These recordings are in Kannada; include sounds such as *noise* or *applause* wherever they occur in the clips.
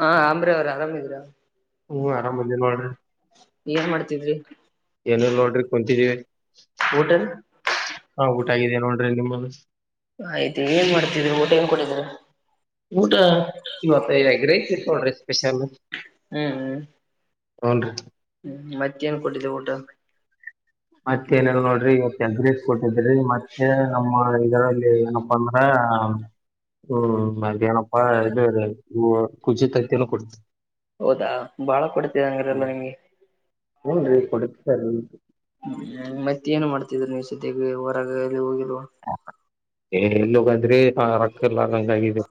ಹ ಆಂಧ್ರ ಅವ್ರೆ ಆರಾಮಿದ್ದೀರಾ ಹು ಆರಾಮ್ ಇರ್ಲಿಲ್ಲ ನೋಡ್ರಿ. ತಿದ್ರೆಪಿ ಏನೇಲ್ ನೋಡ್ರಿ ಕುಂತಿವಿ ಊಟ ಹಾ ಊಟ ಆಗಿದ್ಯಾ ನೋಡ್ರಿ ನಿಮ್ಮದು. ಆಯ್ತು ಏನ್ ಮಾಡ್ತಿರಿ ಊಟ ಏನ್ ಕೊಟ್ಟಿದ್ರು. ಊಟ ಇವತ್ತ ಎಗ್ ರೈಸ್ ಇತ್ ನೋಡ್ರಿ ಸ್ಪೆಷಲ್ ಹ್ಮುಹೂ ಅನ್ ರೀ ಹ್ಮ ಮತ್ತು ಯಾವು ಕೊಟ್ಟಿದ್ದೆ ಊಟ. ಮತ್ತೆ ಏನಲ್ ನೋಡ್ರಿ ಇವತ್ತೇನ್ ಗ್ರೀಸ್ ಕೊಟ್ಟಿದ್ರಿ ಮತ್ತೆ ನಮ್ಮ ಇದರಲ್ಲಿ ಏನು. ತ *unintelligible* ಹ್ಮ್ ಮದೇನಪ್ಪಾ ಇದು ಹು ಕುಜಿ ತತ್ತೀಲ್ಲ ಕುರುಚಿ. ಹೌದಾ ಬಾಳ ಕೊಡ್ತಿದೆಂಗ್ರಲ್ಲಾ ನಿಮ್ಗೆ ಹುನ್ ರೀ ಕೊಡತ್ಸಾರೀ. ಹ್ಮ್ ಮತ್ತ ಏನ್ ಮಾಡ್ತಿದ್ರು ನೀವು ಸದಕ ಹೊರಗ ಎಲ್ಲಿ ಹೋಗಿಲ್ವಾ ಎಲ್ಲೋಗಂದ್ರಿ ಆ ರೊಕ್ಕ ಇಲ್ಲಾರಂಗಾಗಿದೆ.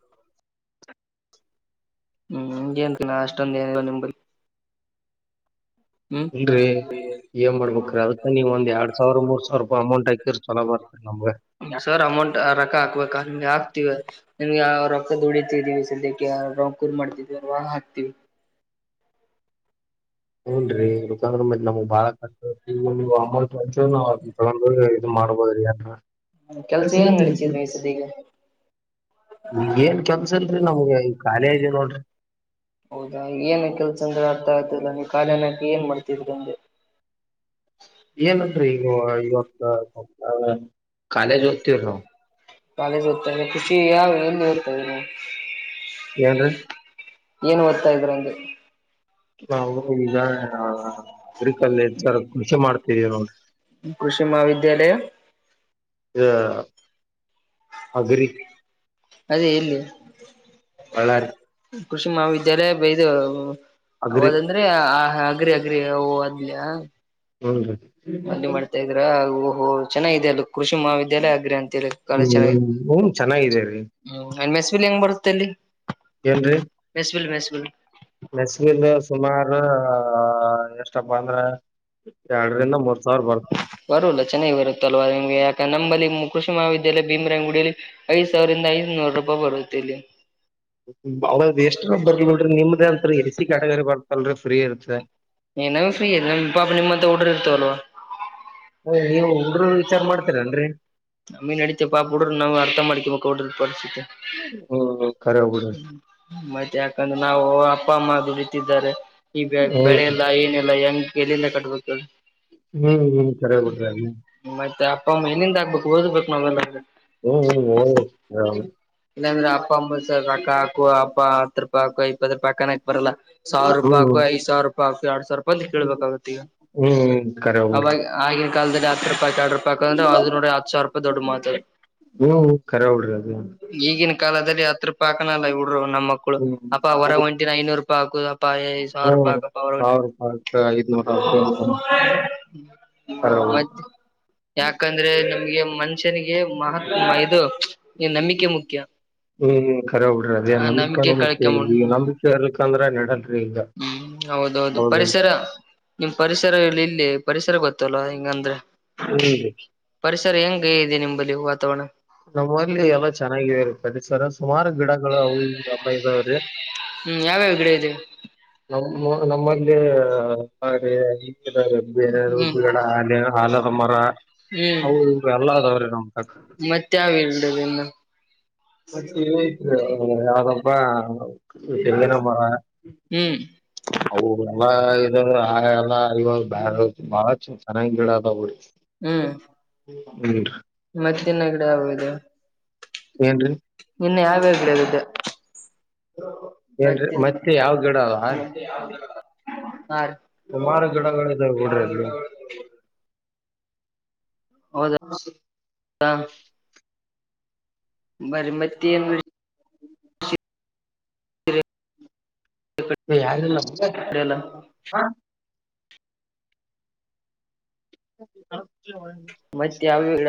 ಹುಂ ಹಂಗ ಏನ್ ಅಷ್ಟೊಂದ ಏನಿಲ್ಲಾ ನಂಬಲಿ ಹ್ಮ್ ಇಲ್ರಿ. ಎ ಮಾಡ್ಬೇಕ್ರೀ ಅದಕ್ಕ ನೀವ ಒಂದ ಎಡ್ ಸಾವಿರ ಮೂರ್ ಸಾವಿರ ರೂಪ ಅಮೌಂಟ್ ಹಾಕಿರ್ ಚಲೋ ಬರ್ತರಿಮಗೆ ಸರ್ ಅಮೌಂಟ್ ಆ ರೊಕ್ಕ ಹಾಕ್ಬೇಕು ಹಾಕ್ತಿವ ನಿಮ್ಗೆ ರೊಕ್ಕದ ದುಡತಿದೀವಿ ಸದ್ಯಕ್ಕೆ ರೋಕ್ ಮಾಡ್ತಿದವಲ್ವಾ ಹಾಕ್ತಿವಿ. ಹುಂ ನರೀ *unintelligible* ನಮಗ್ ಬಾಳ ಕ ಅಮೌಂಟ್ ಮಂಚ ನಾವು ಅದ ತೊಗೊಂಡ ಇದ ಮಾಡ್ಬೋದ್ರಿ ಅ ಕೆಲ್ಸ ಏನ್ ನಡಸಿದ್ರಿ *unintelligible* ಈಗ ಸದ್ಯಕ್ಕೆ ಏನ್ ಕೆಲ್ಸಲ್ರಿ ನಮ್ಗೆ ಈ ಕಾಲೇ ಅರಿವ ನೋಡ್ರಿ ಹೌದಾ ಏನ್ ಕೆಲ್ಸ ಅಂದ್ರ ಅರ್ಥ ಆಯ್ದಲ್ಲ ನೀ ಕಖಾಲಕಿ ಏನ್ ಮಾಡ್ತಿದ್ರಿ ಅಂದೆ. ಏನಲ್ರರಿ ಈಗ ಇವತ್ತು ಸ್ ಕಾಲೇಜ್ ಓದ್ತವರಿ ನಾವ ಕಾಲೇಜ್ ಓದತಾಲ್ಲ ಖುಷಿ ಯಾವ ಏನು ಓದತಾ ಇದ ಏನ್ರಿ ಏನ್ ಓದ್ತಾ ಇದ್ರಾ ಅಂದೆ ನಾವು ಈಗ ಅಗ್ರಿಕಲ್ಚರ್ ಕೃಷಿ ಕೃಷಿ ಮಾಡ್ತಿದೀವಿ ನೋಡಿ. ಕೃಷಿ ಮಹಾವಿದ್ಯಾಲಯಾ ಇದು ಅಗರಿ ಅದೇ ಎಲ್ಲಿ. ಬಳ್ಳಾರಿ ಕೃಷಿ ಮಹಾವಿದ್ಯಾಲಯ ಬೈದು ಅಗ್ರಿ ಯಾವದಂದ್ರೆ ಆ ಅಗ್ರಿ ಅಗ್ರಿ ಹ ಅದ್ಲಯಾ ಹು ರೀ ಇದ್ರ ಹ ಚೆನ್ನಾಗಿದೆ ಅದು ಕೃಷಿ ಮಹಾವಿದ್ಯಾಲಯ ಅಗ್ರೆ ಅಂತ ಕಾಲೆಜ್ ಹ್ಮ್ ಚೆನ್ನಾಗಿದೆ ಹ್ಮ್ ಚೆನ್ನಾಗಿದೇರಿ ಹುಂ ಮೆಸ್ಲಿ ಹೆಂಗ್ ಬರುತ್ತೆ ಅಲ್ಲಿ ಎನ್ರೀ mess bill mess bill mess bill ಸುಮಾರು ಎಷ್ಟಪ್ಪ ಅಂದ್ರ ಎರಡರಿಂದ ಮೂರ ಸಾವಿರ ಬರ್ತ್ರ ಬರಲ್ಲ ಚೆನ್ನಾಗಿ ಬರುತ್ತಲ್ವಾ ನಿಮ್ಗೆ ಯಾಕೆ ನಂಬಲ್ಲಿ ಕೃಷಿ ಮಹಾವಿದ್ಯಾಲಯ ಭೀಮರಾಯಗುಡಿಯಲ್ಲಿ ಐದ ಸಾವಿರದಿಂದ ಐದ್ನೂರು ರೂಪಾಯಿ ಬರುತ್ತ ಇಲ್ಲಿ ಅವದ ಎಷ್ಟರು ಬರ್ಲಿ ಬಿಡ್ರಿ ನಿಮ್ದ ಅಂತ ಎ ಸಿ ಕ್ಯಾಟಗರಿ ಬರ್ತಲರಿ ಫ್ರೀ ಇರ್ತ ಏನ ಫ್ರೀ ಇದೆ ಪಾಪ ನಿಮ್ಮತ್ತ ಹುಡರ ಇರ್ತಾ ಅಲ್ವಾ. ಓ ನೀವು ಹುಡುಗರು ವಿಚಾರ ಮಾಡ್ತೀರಲ್ರರಿ ನಮ್ಮಿ ನಡಿತೆ ಪಾಪ ಬಿಡ್ರ ನಾವು ಅರ್ಥ ಮಾಡಕಂಬಬೇಕ್ ಡ್ರ ಪರಿಸ್ಥಿತಿ. ಹು ಹೂ ಕರೆ ಬಿಡ ಹ್ಮ ಮತ್ತ್ ಯಾಕಂದ್ರೆ ನಾವು ಅಪ್ಪ ಅಮ್ಮಾ ದುಡಿತ್ತಿದ್ದಾರೆ ಈಗ ಹ್ಮ್ ಬೆಳೆ ಇಲ್ಲ ಏನ ಇಲ್ಲಾ ಹೆಂಗ್ ಎಲ್ಲಿಂದ ಕಟ್ಟಬೇಕು ಹ್ಮ್ ಹ್ಮ್ ಕರೆ ಬಿಡ್ರಿ ಅಲ್ಲಿ ಮತ್ತೆ ಅಪ್ಪ ಅಮ್ಮ ಇನ್ ಹೆಂಗ ಆಗ್ಬೇಕು *unintelligible* ಇಲ್ಲಾಂದ್ರೆ ಅಪ್ಪ ಅಮ್ಮ ರೋಕ್ಕ ಹಾಕು ಅಪ್ಪ ಹತ್ತ ರೂಪಾಯಿ ಹಾಕು ಇಪ್ಪತ್ತ ರೂಪಾಯಿ ಹಾಕ್ಕು ಅನಾಕ್ ಬರಲ್ಲಾ ಸಾವಿರ ರೂಪಾಯಿ ಹ್ಮ್ ಹಾಕೋ ಐದ ಸಾವಿರ ರೂಪಾಯ ಹಾಕು ಎರಡ್ ಸಾವಿರ ರೂಪಾಯಿ ಕೇಳ್ಬೇಕಾಗತ್ ಈಗ ಹ್ಮ ಕರೆವ್ ಅವಾಗ ಆಗಿನ ಕಾಲದಲ್ಲಿ ಹತ್ತ ರೂಪಾಯಿ ಯಾಡ್ ರೂಪಾಯಿಅಂದ್ರು ಅದು ನೋಡ್ರ ಹತ್ತ ಸಾವರ ರೂಪಾಯಿ ದೊಡ್ಡ ಮಾತದ. ಹ್ಮ್ ಕರೆ ಬಿಡ್ರಿ ಅದನ್. ಈಗಿನ ಕಾಲದಲ್ಲಿ ಹತ್ತು ರೂಪಾಯ ಹಾಕನಲ್ಲ ಇವಡ್ರು ನಮ್ಮ ಮಕ್ಕಳು ಹ್ಮ್ ಅಪ್ಪ ಹೊರ ಒಂಟಿನ ಐನೂರು ರೂಪಾಯಿ ಹಾಕು. ಪಾ ಐದ್ ಸಾವಿರ ರೂಪಾಯಿ ಹ್ಮ್ ಹಾಕಪ್ಪ ಹೊರಗ ಸಾವಿರ ಹೊಂಟಿನ ರೂಪಾಯಿ ಐದ್ನೂರ ಕರೆ ಮತ ಬಿಡ್ರಿ ಯಾಕಂದ್ರೆ ನಮ್ಗೆ ಮ ಮನಷ್ಯನಿಗೆ ಮಹಾತ್ ಇದು ನಂಬಿಕೆ ಮುಖ್ಯ. ಹ್ಮ್ ಕರೆ ಬಿಡ್ರಿ ಆ ಅದೇನ್ ನಂಬಿಕೆನ್ ನಂಬಿಕೆ ಮುಖ್ಯ ಕಳ್ಕೊಂಬಂಡ್ ಈಗ ನಂಬಿಕೆ ಇರ್ಲಿಕ್ಕ ಅಂದ್ರ ನಡಲರಿ ಈಗ. ಹ್ಮ್ ಹೌದೌದು ಹೌದಲ್ರಿ ಪರಿಸರ. ನಿಮ್ ಪರಿಸರ ಇಲ್ಲ ಇಲ್ಲಿ ಪರಿಸರ ಗೊತ್ತಲ್ಲೊ ಹಿಂಗಂದ್ರ. *unintelligible* ಪರಿಸರ ಹೆಂಗ ಇದೆ ನಿಂಬಲ್ಲಿ ವಾತಾವರಣ. ನಮ್ಮ್ ಊರ್ಲ್ಲಿ ಎಲ್ಲ ಚೆನ್ನಾಗಿದೆ ಪರಿಸರ. ಸುಮಾರು ಗಿಡಗಳು ಅವು ಇವು ಇದಾವ್ರೆ. ಹ್ಮ್ ಯಾವ್ಯಾವ ಗಿಡ ಇದೆ ನಮ್ಮ ನಮ್ಮಲ್ಲಿ ಹ್ಮ್ *unintelligible* ಆಲದ ಮರ ಹ್ಮ್ ಅವು ಇವು ಎಲ್ಲ ಅದಾವ್ರಿ ನಮ್ ತಕ್ಕ. ತ್ತ್ಯಾವ ಇಲ್ಲಾರಿನ್ನ. ಮತ್ತ ಇದ್ ಐತ್ರಿ ಯಾವ್ದೋಪಾ ತೆಂಗಿನ ಮರಾ. ಹ್ಮ್. *unintelligible* ಬಾಳ ಚೆನ್ನಾಗ ಗೀಡಾ ಅದಾವ್ರಿ. ಹ್ಮ್ ಹ್ಮ್ ರಿ. ಮತ್ತಿನ್ನ ಗಿಡ ಯಾವಿದೆ. ಏನ್ರಿ. ಇನ್ನೆ ಯಾವ ಯಾವ ಗಿಡವಿದೆ. ಏನ್ರಿ ಮತ್ತೆ ಯಾವ ಗಿಡ ಅದಾವ. *unintelligible* ಹಾ ರೀ ಸುಮಾರು ಗಿಡಗಳು ಇದಾವ್ ಬಿಡ್ರಿ ಅಲ್ಲೆನ. ಹೌದ್ ದಾ. ಬರ್ರಿ ಮತ್ತೇನ್ ಎ ಯಾರಿಲ್ಲಾ ಮುಂದೆ ಲ್ಲ ಹಾ. ಮತ್ತೆ ಯಾವ ಗಿಡ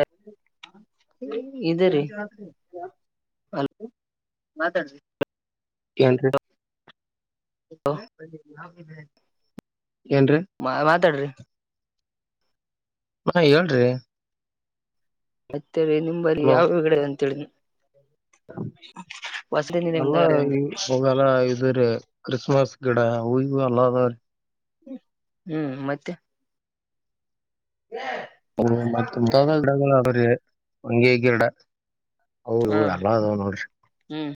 ಇದರಿ ಅಲ್ ಮಾತಾಡ ರೀ ಏನ್ರಿ. ಏನ್ರೀ. ಮಾ ಮಾತಾಡ್ರಿ. ಮ ಏನ್ರಿ. ಮತ್ತೆರಿ ನಿಂಬಲ್ಲಿ ಹಲೋ ಯಾವಗಿಡ ಅಂತೇಳಿನಿ. ಅಲ್ಲ ಅಂದೆ ಇ ಅವೆಲ್ಲಾ ಇದ್ರೀ ಕ್ರಿಸ್ಮಸ್ ಗಿಡ ಅವು ಇವು ಎಲ್ಲದವರಿ. ಹ್ಮ್ ಮತ್ತೆ. ಎ ಹು ಮತ್ತ ಮುಂತಾದ ಗಿಡಗಳು ಅವಾರಿ ಹೊಂಗೆ ಗಿಡ. ಅವು ಹ ಇವು ಎಲ್ಲಾ ಅದಾವ್ ನೋಡ್ರಿ ಹ್ಮ್.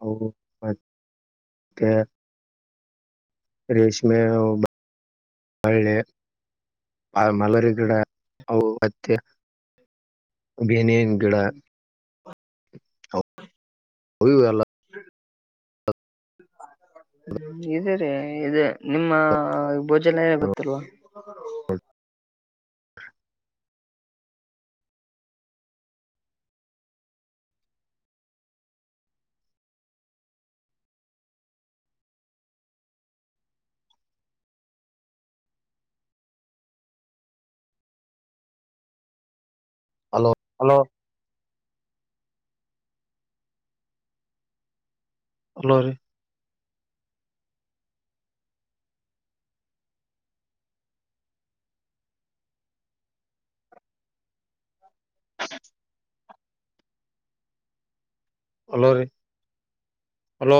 ಹೌ ಮ ತ್ತೆ. ರೇಶ್ಮೆ ಅವು ಬ್ ಬಳ್ಳಿ. ಆ ಮಲರಿ ಗಿಡ ಅವು ಹತ್ತಿ ಬೆನಿನ ಗಿಡಾ ಅವು ಅವುಯುವು ಎಲ್ಲ. ಹ *unintelligible* ಹ್ಮ ಇದದೆ ರೀ ಇದು ನಿಮ್ಮ ಭೋಜನ ಗೊತ್ತಲ್ವಾ ಬ *unintelligible* ಹಲೋ ಹಲೋ ಹಲೋ ರಿ ಹಲೋ ರೀ ಹಲೋ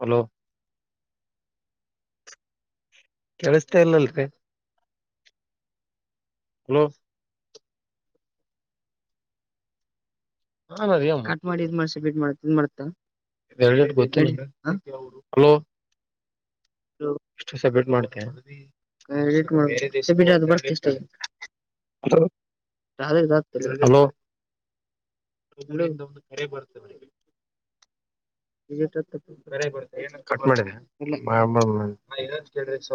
ಹಲೋ ಕೇಳಿಸ್ತಾ ಇಲ್ಲಲ್ರಿ ಹಲೋ *unintelligible* ಹಾ ಕಟ್ ಮಾಡಿ ಇದ್ ಮಾಡ್ಸ ಬಿಡ್ ಮಾಡತ ಇದ್ ಮಾಡ್ತಾ *unintelligible* ಹಲೋ *unintelligible* ಸಬ್ಮಿಟ್ ಮಾಡ್ತೆ *unintelligible* ಹ ಮಾಡ್ಬ ಅದು ಬರ್ ಎಷ್ಟ ಹಲೋ *unintelligible* ಹಲೋ ಒಂದು ಕರೆ ಬರ್ತದೆ *unintelligible* ಹ *unintelligible* *inaudible* ಕೇಳಿ ಸ್ವ